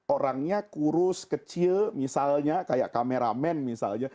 orangnya kurus kecil misalnya kayak kameramen misalnya